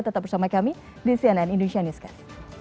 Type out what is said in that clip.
tetap bersama kami di cnn indonesia newscast